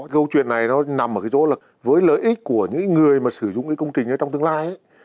cái này nó nằm ở cái chỗ lực với lợi ích của những người mà sử dụng cái công trình đó trong tương lai